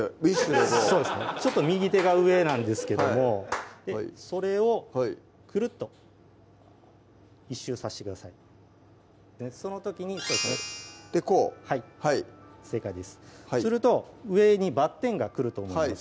でこうちょっと右手が上なんですけどもそれをクルッと１周さしてくださいその時にそうですねでこうはい正解ですすると上にバッテンが来ると思います